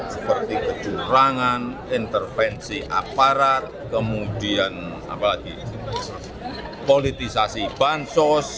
seperti kecurangan intervensi aparat kemudian apalagi politisasi bansos